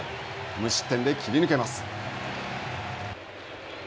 無失点で切り抜けます。